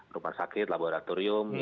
rumah sakit laboratorium